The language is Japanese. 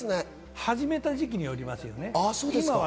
始めた時期によりますよね。